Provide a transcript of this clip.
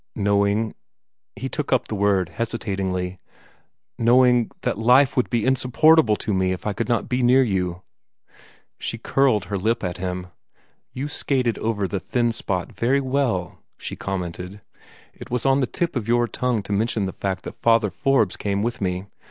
"Knowing " he took up the word hesitatingly "knowing that life would be insupportable to me if I could not be near you." She curled her lip at him. "You skated over the thin spot very well," she commented. "It was on the tip of your tongue to mention the fact that Father Forbes came with me.